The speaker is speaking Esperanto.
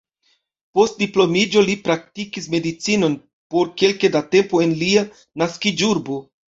Post diplomiĝo li praktikis medicinon por kelke da tempo en lia naskiĝurbo.